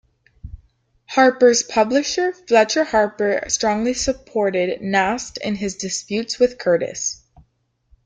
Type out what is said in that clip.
"Harper's" publisher Fletcher Harper strongly supported Nast in his disputes with Curtis.